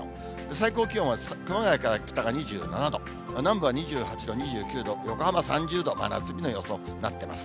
最高気温は熊谷から北が２７度、南部は２８度、２９度、横浜３０度、真夏日の予想となってます。